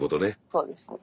そうですね。